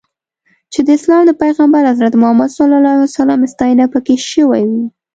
چې د اسلام د پیغمبر حضرت محمد ستاینه پکې شوې وي.